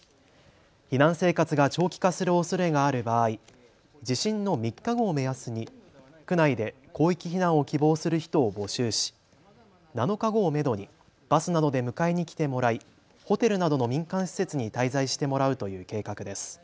避難生活が長期化するおそれがある場合、地震の３日後を目安に区内で広域避難を希望する人を募集し、７日後をめどにバスなどで迎えに来てもらいホテルなどの民間施設に滞在してもらうという計画です。